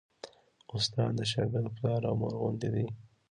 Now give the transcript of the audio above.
استاد د شاګرد پلار او مور غوندې دی.